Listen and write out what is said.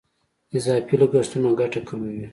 اضافي لګښتونه ګټه کموي.